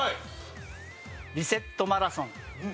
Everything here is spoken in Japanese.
リセットマラソン。